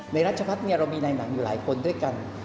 รัชพัฒน์เรามีในหนังอยู่หลายคนด้วยกัน